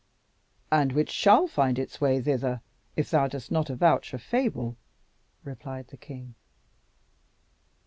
"'And which shall find its way thither, if thou dost not avouch a fable," replied the king.